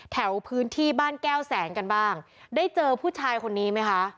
แถวพื้นที่บ้านแก้วแสงกันบ้างได้เจอผู้ชายคนนี้ไหมคะ